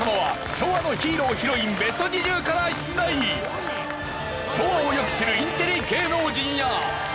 昭和をよく知るインテリ芸能人や。